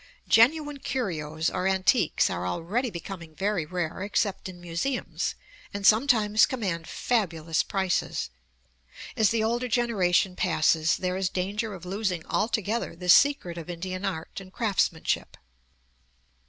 Genuine curios or antiques are already becoming very rare, except in museums, and sometimes command fabulous prices. As the older generation passes, there is danger of losing altogether the secret of Indian art and craftsmanship.